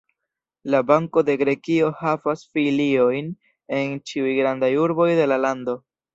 La Banko de Grekio havas filiojn en ĉiuj grandaj urboj de la lando.